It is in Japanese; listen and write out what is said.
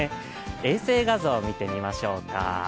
衛星画像見てみましょうか。